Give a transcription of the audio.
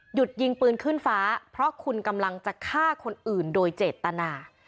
ยิงปืนขึ้นฟ้าเพราะคุณกำลังจะฆ่าคนอื่นโดยเจตนา